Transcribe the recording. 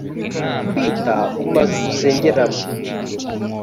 kwita ku mazu dusengeramo